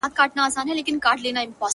لیوني ته گورئ، چي ور ځغلي وه سره اور ته